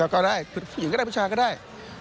ก็ได้ผู้หญิงก็ได้ผู้ชายก็ได้